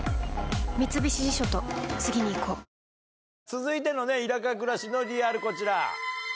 続いての田舎暮らしのリアル、こちら。